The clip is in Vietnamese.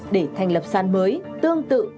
để thành lập sàn mới tương tự